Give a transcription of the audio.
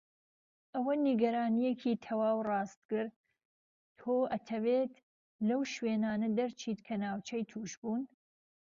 ئەوە نیگەرانیەکی تەواو ڕاستەگەر تۆ ئەتهەویت لەو شوێنانە دەرچیت کە ناوچەی توشبوون.